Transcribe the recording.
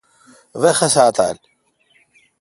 وی خسا تھال۔